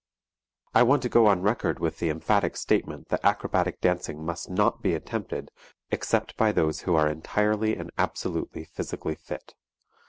I want to go on record with the emphatic statement that acrobatic dancing must not be attempted except by those who are entirely and absolutely physically fit.